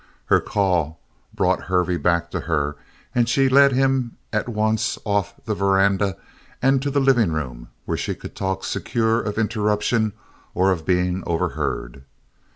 Her call brought Hervey back to her and she led him at once off the veranda and to the living room where she could talk secure of interruption or of being overheard.